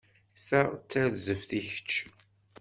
Ta d tarzeft i kečč.